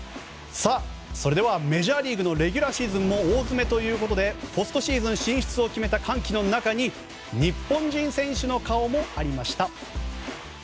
それではメジャーリーグのレギュラーシーズンも大詰めということでポストシーズン進出を決めた歓喜の中に日本人選手の顔もありました。